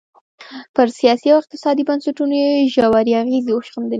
پر سیاسي او اقتصادي بنسټونو یې ژورې اغېزې وښندلې.